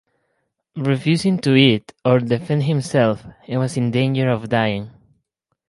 Refusing to eat, or defend himself, he was in danger of dying.